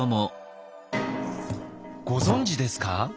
ご存じですか？